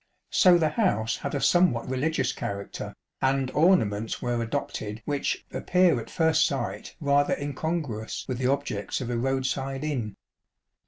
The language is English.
So the house had a somewhat religions character, and ornaments were adopted which " appear at first sight rather incongruous with the objects of a road side inn."